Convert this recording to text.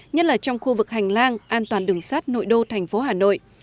nhất là trong khu vực hành lang an toàn đường sát nội đô tp hà nội